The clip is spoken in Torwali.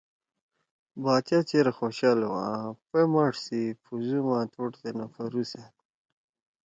باچا چیر خوشال ہُو آں پائں مار سی پھوزُو ماتوڑ تے نہ پھرُوسأد۔